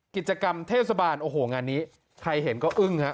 กิจกรรมเทศบาลโอ้โหงานนี้ใครเห็นก็อึ้งฮะ